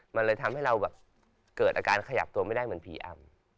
มันเลยทำให้เราแบบเกิดอาการขยับตัวไม่ได้เหมือนผีอำ